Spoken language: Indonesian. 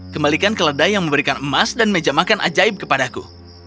kembalikan keledai yang memberikan emas dan meja makan ajaib kepadaku